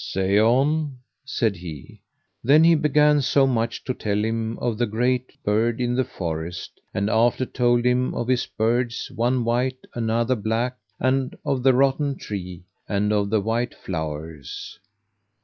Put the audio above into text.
Say on, said he. Then he began so much to tell him of the great bird in the forest, and after told him of his birds, one white, another black, and of the rotten tree, and of the white flowers.